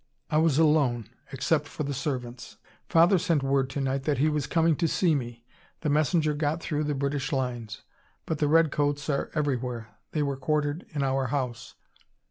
I was alone, except for the servants. "Father sent word to night that he was coming to see me. The messenger got through the British lines. But the redcoats are everywhere. They were quartered in our house.